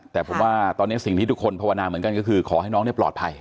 แต่ผมว่าตอนนี้สิ่งที่ทุกคนภาวนาเหมือนกันก็คือขอให้น้องปลอดภัย